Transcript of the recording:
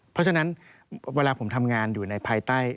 เพราะฉะนั้นเวลาผมทำงานอยู่ในภายใต้